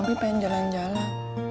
mami pengen jalan jalan